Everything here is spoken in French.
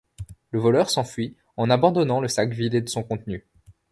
Le voleur s'enfuit en abandonnant le sac vidé de son contenu.